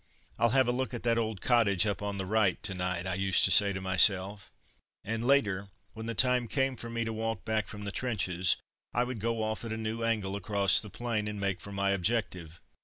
"I'll have a look at that old cottage up on the right to night," I used to say to myself, and later, when the time came for me to walk back from the trenches, I would go off at a new angle across the plain, and make for my objective.